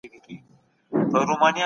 سیاستوالو به نړیوال اصول منله.